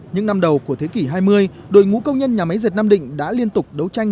những năm đầu của thế kỷ hai mươi đội ngũ công nhân nhà máy dệt nam định đã liên tục đấu tranh